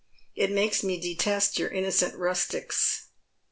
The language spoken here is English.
It makes me detest your inno cent rustics."